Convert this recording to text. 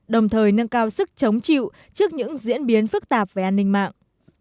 đồng thời nâng cao sức chống chịu trước những diễn biến phức tạp về an ninh mạng